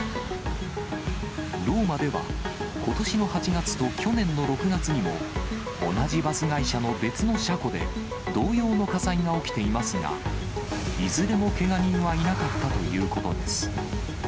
ローマでは、ことしの８月と去年の６月にも、同じバス会社の別の車庫で、同様の火災が起きていますが、いずれもけが人はいなかったということです。